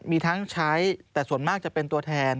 มีทั้งใช้แต่ส่วนมากจะเป็นตัวแทน